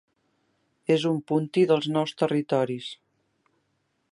És un 'punti' dels Nous Territoris.